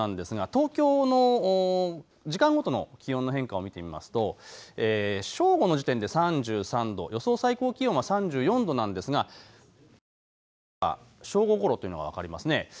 東京の時間ごとの気温の変化を見てみると正午の時点で３３度、予想最高気温は３４度ですがピークは正午ごろというのが分かります。